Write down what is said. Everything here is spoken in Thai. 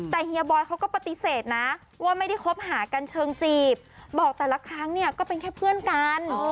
แต่เฮียบอยเขาก็ปฏิเสธนะว่าไม่ได้คบหากันเชิงจีบบอกแต่ละครั้งเนี่ยก็เป็นแค่เพื่อนกัน